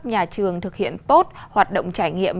cũng như giúp các nhà trường thực hiện tốt hoạt động trải nghiệm